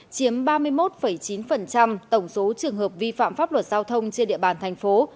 chiếm ba mươi một chín tổng số trường hợp vi phạm pháp luật giao thông trên địa bàn thành phố